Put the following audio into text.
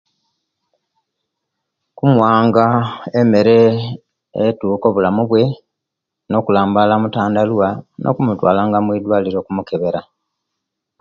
Kumuwanga emere etuka obulamu bwe nokulambala mutandaluwa no'kumutwala nga mwidwaliro okumukebera